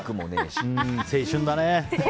青春だね！